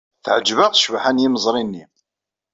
Teɛjeb-aɣ ccbaḥa n yimeẓri-nni.